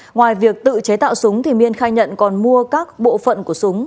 ngoài việc tự chế tạo súng miên khai nhận còn mua các bộ phận của súng